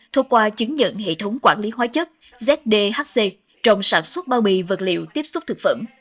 thuộc qua chứng nhận hệ thống quản lý hóa chất trong sản xuất bao bì vật liệu tiếp xúc thực phẩm